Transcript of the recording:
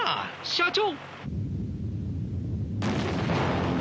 社長！